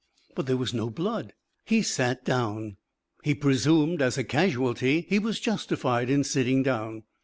But there was no blood. He sat down. He presumed, as a casualty, he was justified in sitting down.